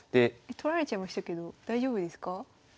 取られちゃいましたけど大丈夫ですか？